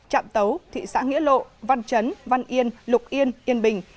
trạm tấu thị xã nghĩa lộ văn chấn văn yên lục yên yên bình